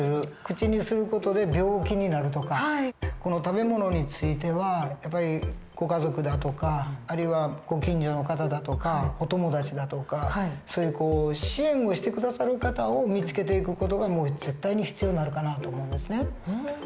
口にする事で病気になるとか食べ物についてはやっぱりご家族だとかあるいはご近所の方だとかお友達だとかそういう支援をして下さる方を見つけていく事が絶対に必要になるかなと思うんですね。